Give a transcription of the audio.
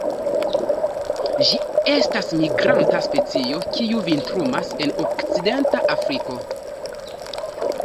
Ĝi estas migranta specio, kiu vintrumas en okcidenta Afriko.